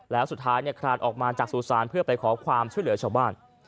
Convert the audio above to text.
แล้วสุดท้ายคลานออกมาจากสู่ศาลเพื่อไปขอความช่วยเหลือชาวบ้าน